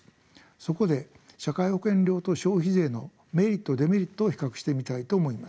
そこで社会保険料と消費税のメリットデメリットを比較してみたいと思います。